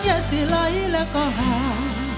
อย่าสิไหลแล้วก็ห่าง